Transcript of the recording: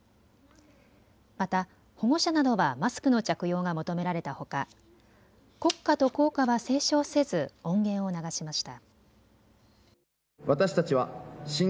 また、保護者などはマスクの着用が求められたほか国歌と校歌は斉唱せず音源を流しました。